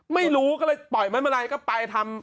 ไม่รู้ก็เลยปล่อยแม่นเมลันไปทำ